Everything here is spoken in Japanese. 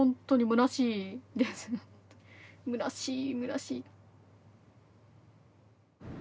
むなしいむなしい。